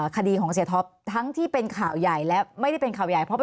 คดีของเสียท็อปทั้งที่เป็นข่าวใหญ่และไม่ได้เป็นข่าวใหญ่เพราะ